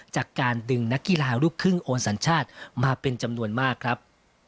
จากการดึงนักกีฬาลูกครึ่งโอนสัญชาติมาเป็นจำนวนมากครับ